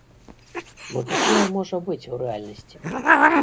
Бо такое можа быць у рэальнасці.